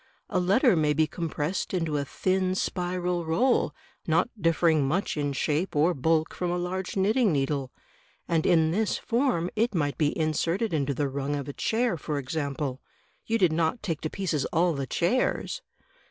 A letter may be compressed into a thin spiral roll, not differing much in shape or bulk from a large knitting needle, and in this form it might be in serted into the rung of a chair, for example. You did not take to pieces all the chairs?"